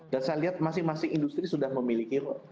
dan saya lihat masing masing industri sudah memiliki